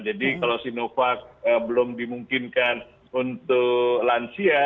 jadi kalau sinovac belum dimungkinkan untuk lansia